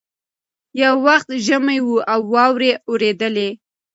یو وخت ژمی وو او واوري اورېدلې